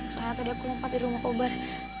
soalnya tadi aku lompat di rumah kobar